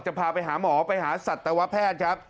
พาไปหาหมอไปหาสัตวแพทย์ครับ